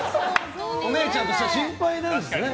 お姉ちゃんとしては心配なんですね。